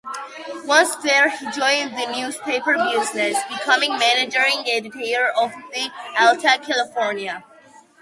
Once there he joined the newspaper business, becoming managing editor of the "Alta California".